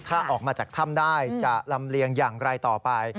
ถ้าออกมาจากถ้ำได้จะลำเลียงอย่างไรต่อไป